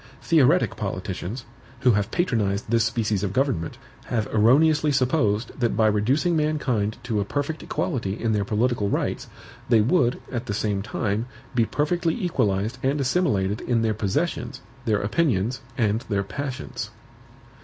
Theoretic politicians, who have patronized this species of government, have erroneously supposed that by reducing mankind to a perfect equality in their political rights, they would, at the same time, be perfectly equalized and assimilated in their possessions, their opinions, and their passions.